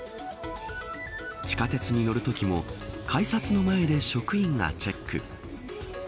地下鉄に乗るときも改札の前で職員がチェック。